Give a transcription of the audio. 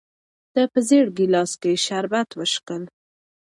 ده په زېړ ګیلاس کې شربت وڅښل.